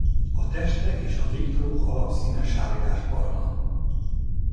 A teste és a végtagok alapszíne sárgásbarna.